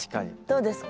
どうですか？